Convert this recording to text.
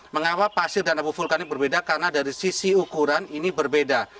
mengapa pasir dan abu vulkanik berbeda karena dari sisi ukuran ini berbeda